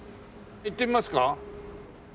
行ってみますか？